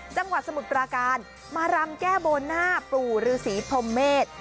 จังหวัดสมุดประการมารำแก้โบนาปู่ฤษีพมเมษ